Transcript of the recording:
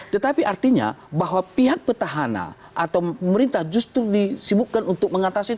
tetapi artinya bahwa pihak petahana atau pemerintah justru disibukkan untuk mengatasi